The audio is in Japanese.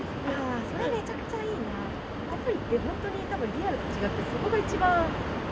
それめちゃくちゃいいな、アプリってリアルとは違って、そこが一番。